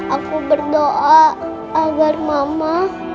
aku berdoa agar mama